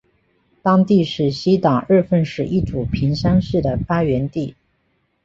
当地是西党日奉氏一族平山氏的发源地。